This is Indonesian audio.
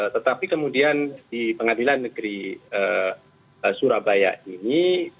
tetapi kemudian di pengadilan negeri surabaya ini